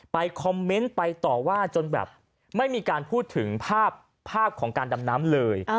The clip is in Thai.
คอมเมนต์ไปต่อว่าจนแบบไม่มีการพูดถึงภาพของการดำน้ำเลย